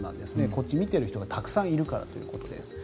こちらには見ている人がたくさんいるからということです。